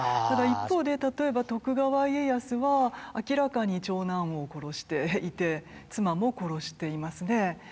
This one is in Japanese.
ただ一方で例えば徳川家康は明らかに長男を殺していて妻も殺していますね。